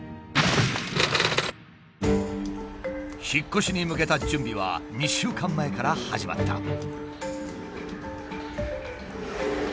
引っ越しに向けた準備は２週間前から始まった。